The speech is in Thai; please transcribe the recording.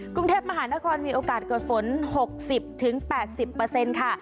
กรุงเทพมหานครมีโอกาสเกิดฝน๖๐๘๐ค่ะ